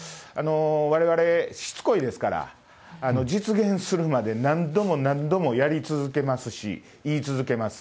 われわれ、しつこいですから、実現するまで何度も何度もやり続けますし、言い続けます。